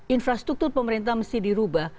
infrastruktur pemerintah mesti dirubah